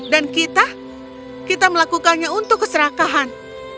dan kita kita melakukannya untuk keserakahan